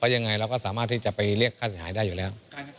ยังไงเราก็สามารถที่จะไปเรียกค่าเสียหายได้อยู่แล้ว